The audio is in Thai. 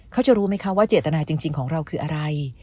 เขาจะรู้ไหมคะว่าเจตนาจริงของเราคืออะไร